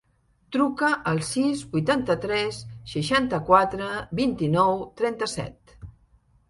Truca al sis, vuitanta-tres, seixanta-quatre, vint-i-nou, trenta-set.